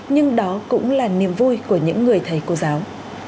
nhưng đó cũng là niềm vui của những người thầy cô giáo